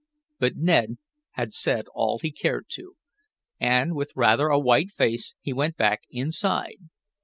But Ned had said all he cared to, and, with rather a white face, he went back inside.